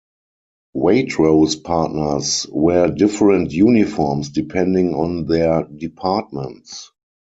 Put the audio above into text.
Waitrose partners wear different uniforms depending on their departments.